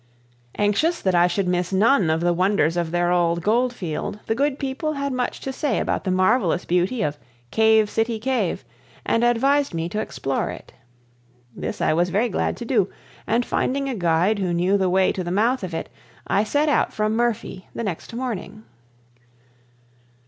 Anxious that I should miss none of the wonders of their old gold field, the good people had much to say about the marvelous beauty of Cave City Cave, and advised me to explore it. This I was very glad to do, and finding a guide who knew the way to the mouth of it, I set out from Murphy the next morning.